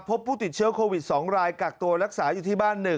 พบผู้ติดเชื้อโควิด๒รายกักตัวรักษาอยู่ที่บ้าน๑